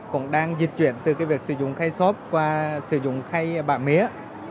cũng đang di chuyển từ cái việc sử dụng khay xốp qua sử dụng khay bạ mía